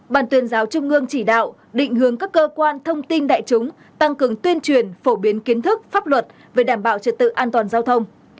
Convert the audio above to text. bàn tuyên giáo trung ương chỉ đạo định hướng các cơ quan thông tin đại chúng tăng cường tuyên truyền phổ biến kiến thức pháp luật về đảm bảo trật tự an toàn giao thông